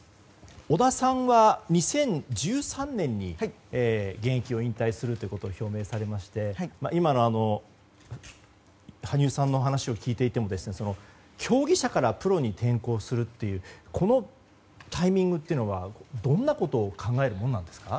織田さんは２０１３年に現役を引退することを表明されまして今の羽生さんの話を聞いていても競技者からプロに転向するというこのタイミングというのはどんなことを考えるものなんですか